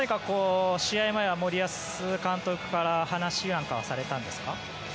試合前は森保監督から話なんかはされたんですか？